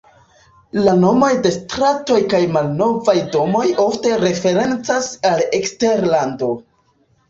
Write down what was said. La nomoj de stratoj kaj malnovaj domoj ofte referencas al eksterlando.